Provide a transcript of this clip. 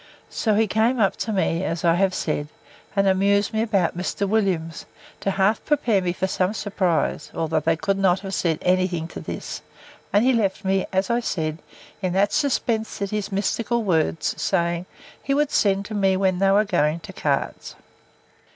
So he came up to me, as I have said, and amused me about Mr. Williams, to half prepare me for some surprise; though that could not have been any thing to this: and he left me, as I said, in that suspense, at his mystical words, saying, He would send to me, when they were going to cards.